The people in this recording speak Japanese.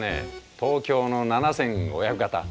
東京の７５００形。